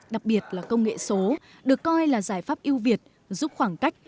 đặc biệt là công nghệ số được coi là giải pháp yêu việt giúp khoảng cách